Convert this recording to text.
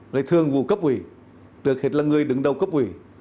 lấy thương vụ cấp ủy được hết là người đứng đầu cấp ủy